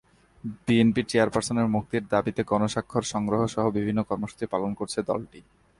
বিএনপির চেয়ারপারসনের মুক্তির দাবিতে গণস্বাক্ষর সংগ্রহসহ বিভিন্ন কর্মসূচি পালন করছে দলটি।